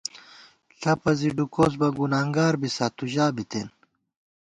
ݪپہ زی ڈُکوس بہ گُنانگار بِسا تُو ژا بِتېن